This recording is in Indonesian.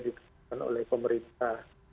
diperlukan oleh pemerintah